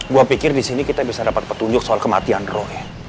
gua pikir di sini kita bisa dapat petunjuk soal kematian roy